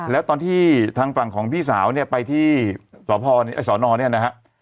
แล้วตอนที่ทางฝั่งของพี่สาวเนี่ยไปที่สพสอนอเนี่ยนะฮะ